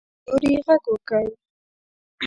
سیوري غږ وکړ.